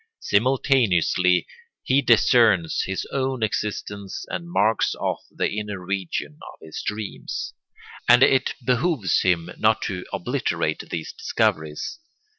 Simultaneously he discerns his own existence and marks off the inner region of his dreams. And it behooves him not to obliterate these discoveries.